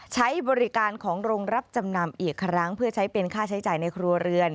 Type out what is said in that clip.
ใช้บริการของโรงรับจำนำอีกครั้งเพื่อใช้เป็นค่าใช้จ่ายในครัวเรือน